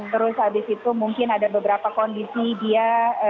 terus habis itu mungkin ada beberapa kondisi dia